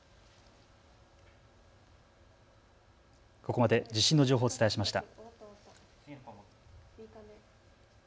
ここまで地震の情報をお伝えしました。